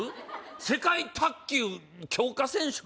世界卓球強化選手か